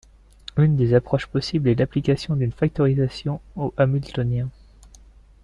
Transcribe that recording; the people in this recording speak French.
Une des approches possible est l'application d'une factorisation au hamiltonien.